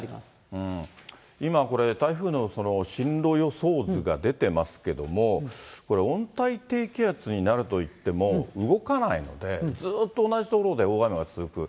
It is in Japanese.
今、これ、台風の進路予想図が出てますけども、これ、温帯低気圧になるといっても動かないので、ずっと同じ所で大雨が続く。